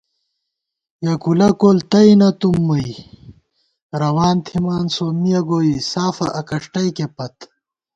یېکولہ کول تئ نہ تُوم مُوئی ، روان تھِمان سومِّہ گوئے، سافہ اکݭٹئیکےپت